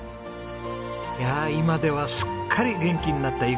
いやあ今ではすっかり元気になったゆきさん。